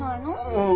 うん。